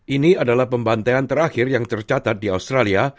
ini adalah pembantaian terakhir yang tercatat di australia